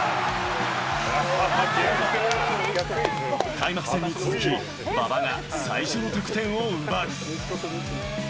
開幕戦に続き、馬場が最初の得点を奪う。